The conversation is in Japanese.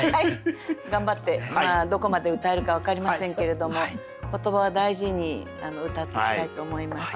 頑張ってどこまで歌えるか分かりませんけれども言葉を大事に歌っていきたいと思います。